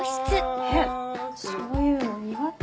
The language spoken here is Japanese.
えっそういうの苦手。